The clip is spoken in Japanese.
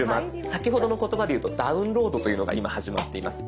先ほどの言葉でいうとダウンロードというのが今始まっています。